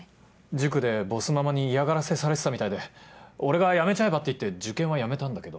塾でボスママに嫌がらせされてたみたいで俺が「やめちゃえば」って言って受験はやめたんだけど。